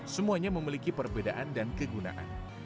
semuanya memiliki perbedaan dan kegunaan